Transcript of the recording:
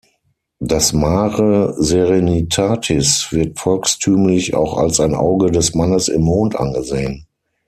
Das Mare Serenitatis wird volkstümlich auch als ein Auge des Mannes im Mond angesehen.